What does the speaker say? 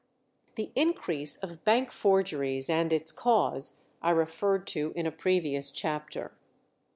The increase of bank forgeries, and its cause, I referred to in a previous chapter.